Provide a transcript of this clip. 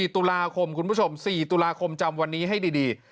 ๔ตุลาคมคุณผู้ชม๔ตุลาคมจำวันนี้ให้ดี